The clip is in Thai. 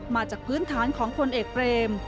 มาจากพื้นฐานของพลเอกเปรม